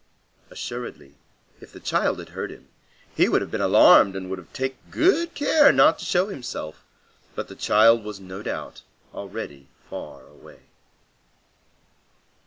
Assuredly, if the child had heard him, he would have been alarmed and would have taken good care not to show himself. But the child was no doubt already far away.